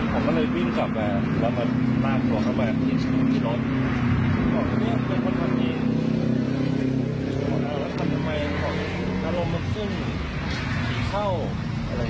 ก็รู้ว่าเขาเป็นไรเขายืนเสร็จอุ๊บก็มีเอ่อต้นรถพี่ตำรวจอยู่แล้ว